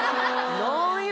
何や？